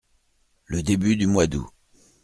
Le début du mois d’août.